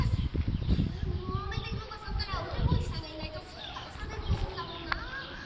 あもうメテングおばさんったらオテングおじさんがいないとすぐあさねぼうすんだもんな。